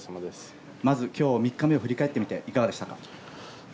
まず今日、３日目を振り返ってみていかがでしたか？